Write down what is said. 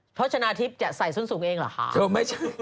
เพราะชนะทิพย์จะใส่ส้นสูงเองเหรอคะ